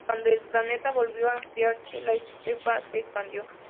Cuando el planeta volvió a enfriarse, la estepa se expandió.